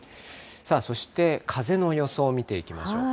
そして風の予想を見ていきましょう。